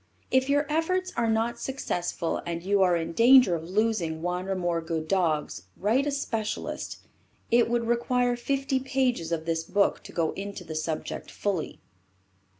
If your efforts are not successful and you are in danger of losing one or more good dogs, write a specialist. It would require fifty pages of this book to go into the subject fully.